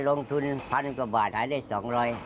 ลงทุนพันประมาณกว่าบาทสายได้สองร้อย